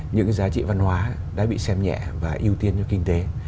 những cái giá trị văn hóa đã bị xem nhẹ và ưu tiên cho kinh tế